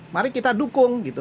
mari kita dukung gitu